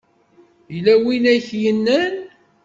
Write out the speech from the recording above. Yella win i ak-yennan?